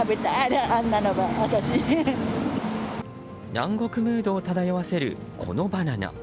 南国ムードを漂わせるこのバナナ。